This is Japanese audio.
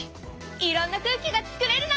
いろんな空気がつくれるの！